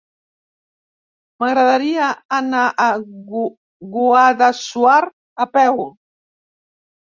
M'agradaria anar a Guadassuar a peu.